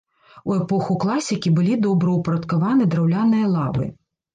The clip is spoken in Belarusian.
У эпоху класікі былі добраўпарадкаваны драўляныя лавы.